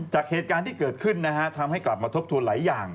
จากเหตุการณ์ที่เกิดขึ้นนะฮะทำให้กลับมาทบทวนหลายอย่าง